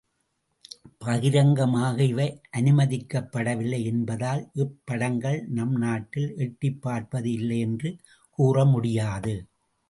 பகிரங்கமாக இவை அனுமதிக்கப்படவில்லை என்பதால் இப்படங்கள் நம் நாட்டில் எட்டிப் பார்ப்பது இல்லை என்று கூற முடியாது.